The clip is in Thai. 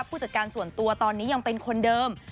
ผู้จัดการส่วนตัวตอนนี้ยังเป็นคนเดิม